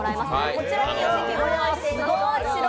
こちらにお席をご用意していますどうぞ。